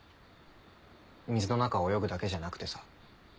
水の中泳ぐだけじゃなくてさ。